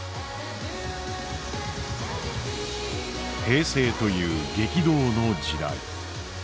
平成という激動の時代。